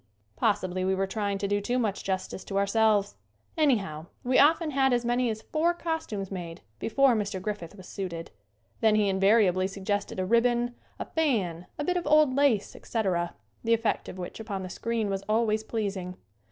Possibly we were trying to do too much justice to our selves. Anyhow we often had as many as four cos tumes made before Mr. Griffith was suited. Then he invariably suggested a ribbon, a fan, a bit of old lace, etc., the effect of which upon the screen was always pleasing.